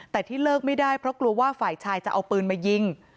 แต่ที่เลิกไม่ได้เพราะกลัวว่าฝ่ายชายจะเอาปืนมายิง